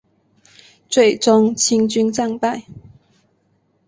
最终清军战败。